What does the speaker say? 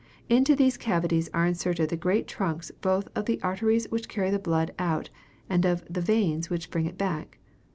Into these cavities are inserted the great trunks both of the arteries which carry out the blood, and of the veins which bring it back.